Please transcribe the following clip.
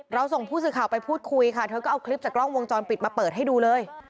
ส่งผู้สื่อข่าวไปพูดคุยค่ะเธอก็เอาคลิปจากกล้องวงจรปิดมาเปิดให้ดูเลย